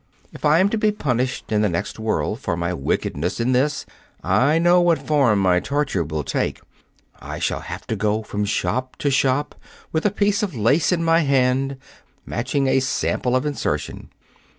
If I am to be punished in the next world for my wickedness in this, I know what form my torture will take. I shall have to go from shop to shop with a piece of lace in my hand, matching a sample of insertion.